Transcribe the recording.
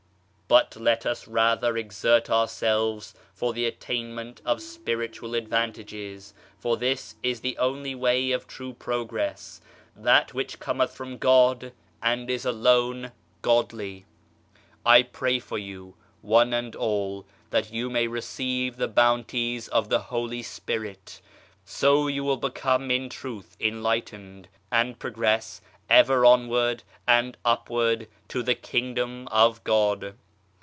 But let us rather exert ourselves for the attainment of Spiritual advantages, for this is the only way of true progress, that which cometh from God and is alone Godly. I pray for you one and all that you may receive the Bounties of the Holy Spirit ; so will you become in truth enlightened, and progress ever onward and upward to the Kingdom of God.